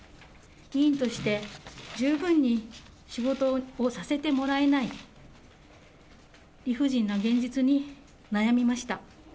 議員として十分に仕事をさせてもらえない、理不尽な現実に悩みました。